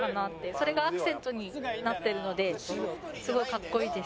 それがアクセントになってるのですごい格好いいです。